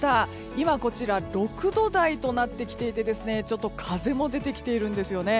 今、こちらは６度台となってきていて風も出てきているんですよね。